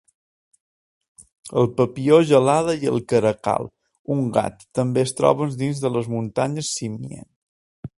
El papió gelada i el caracal, un gat, també es troben dins de les muntanyes Simien.